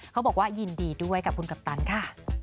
เขาบอกว่ายินดีด้วยกับคุณกัปตันค่ะ